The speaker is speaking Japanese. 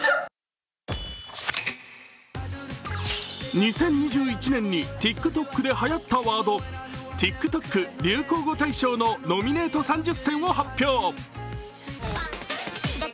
２０２１年にＴｉｋＴｏｋではやったワード、ＴｉｋＴｏｋ流行語大賞のノミネート３０選を発表。